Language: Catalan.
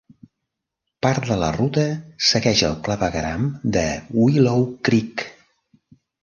Part de la ruta segueix el clavegueram de Willow Creek.